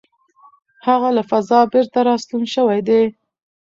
هغه له فضا بېرته راستون شوی دی.